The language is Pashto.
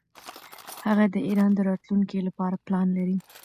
هغه د ایران د راتلونکي لپاره پلان لري.